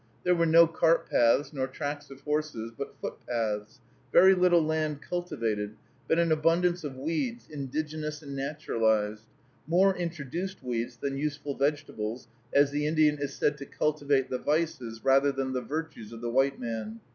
There were no cart paths, nor tracks of horses, but footpaths; very little land cultivated, but an abundance of weeds, indigenous and naturalized; more introduced weeds than useful vegetables, as the Indian is said to cultivate the vices rather than the virtues of the white man.